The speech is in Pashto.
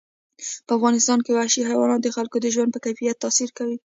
په افغانستان کې وحشي حیوانات د خلکو د ژوند په کیفیت تاثیر کوي.